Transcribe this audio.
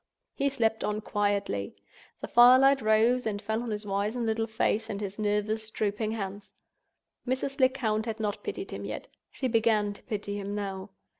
He slept on quietly. The firelight rose and fell on his wizen little face and his nervous, drooping hands. Mrs. Lecount had not pitied him yet. She began to pity him now.